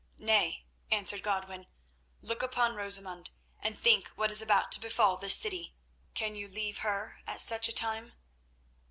"Nay," answered Godwin; "look upon Rosamund, and think what is about to befall this city. Can you leave her at such a time?"